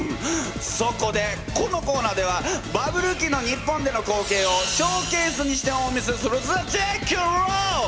そこでこのコーナーではバブル期の日本での光景をショーケースにしてお見せするぜチェケラ！